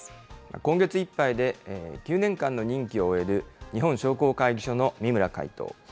今月いっぱいで９年間の任期を終える日本商工会議所の三村会頭。